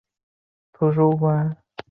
金朝时废。